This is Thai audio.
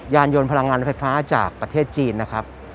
ยานยนต์พลังงานไฟฟ้าจากประเทศจีนนะครับ